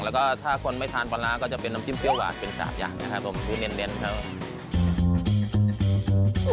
แล้วก็ถ้าคนไม่ทานปลาร้าก็จะเป็นน้ำจิ้มเปรี้ยหวานเป็น๓อย่างนะครับผมคือเน้นครับผม